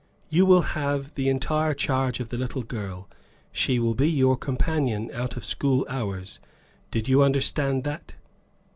You will have the entire charge of the little girl; she will be your companion out of school hours; did you understand that?"